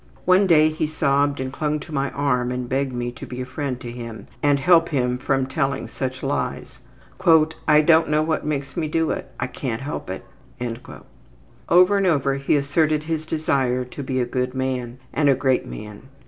One day he sobbed and clung to my arm and begged me to be a friend to him and help him from telling such lies. ``I don't know what makes me do it. I can't help it.'' Over and over he asserted his desire to be a good man and a great man.